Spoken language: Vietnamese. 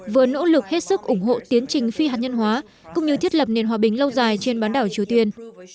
vừa nỗ lực hết sức ủng hộ tiến trình phi hạt nhân hóa cũng như thiết lập nền hòa bình lâu dài trên bán đảo triều tiên